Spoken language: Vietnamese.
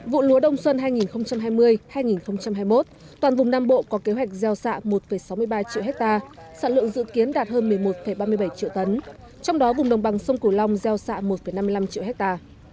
vụ lúa đông xuân hai nghìn hai mươi hai nghìn hai mươi một toàn vùng nam bộ có kế hoạch gieo xạ một sáu mươi ba triệu hectare sản lượng dự kiến đạt hơn một mươi một ba mươi bảy triệu tấn trong đó vùng đồng bằng sông cửu long gieo xạ một năm mươi năm triệu hectare